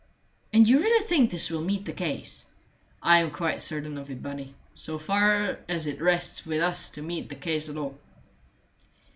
"And you really think this will meet the case?" "I am quite certain of it, Bunny, so far as it rests wit us to meet the case at all."